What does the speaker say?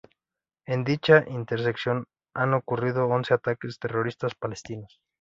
En dicha intersección han ocurrido once ataques terroristas palestinos.